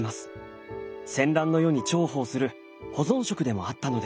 戦乱の世に重宝する保存食でもあったのです。